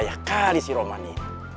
payah kali si romani